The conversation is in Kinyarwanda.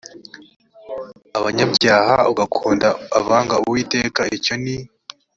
abanyabyaha ugakunda abanga uwiteka icyo ni